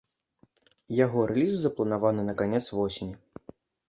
Яго рэліз запланаваны на канец восені.